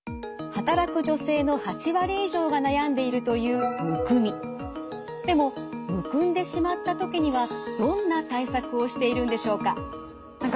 働く女性の８割以上が悩んでいるというでもむくんでしまった時にはどんな対策をしているんでしょうか？